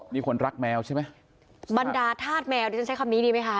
นี่คนรักแมวใช่ไหมบรรดาธาตุแมวดิฉันใช้คำนี้ดีไหมคะ